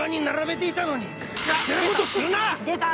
出た！